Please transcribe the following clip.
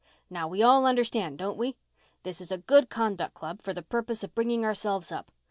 Now, we all understand, don't we? This is a Good Conduct Club, for the purpose of bringing ourselves up.